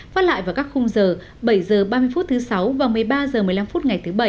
phát lại vào các khung giờ bảy h ba mươi phút thứ sáu và một mươi ba h một mươi năm phút ngày thứ bảy